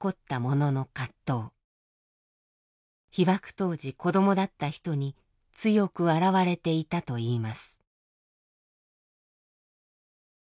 被爆当時子どもだった人に強く現れていたといいます。